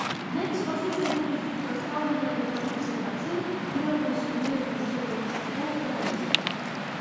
На экспазіцыі будуць прадстаўленыя рэпрадукцыі карцін, вырабы і сувеніры мясцовых мастакоў і рамеснікаў.